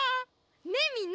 ねえみんな！